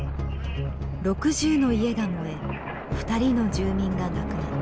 ６０の家が燃え２人の住民が亡くなった。